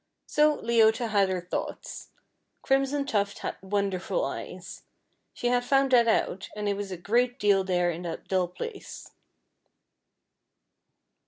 So Leota had her thoughts. Crimson Tuft had wonderful eyes. She had found that out, and it was a great deal there in that dull place.